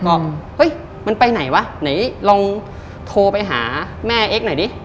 ก็เฮ้ยมันไปไหนวะไหนลองโทรไปหาแม่เอ็กซหน่อยดิ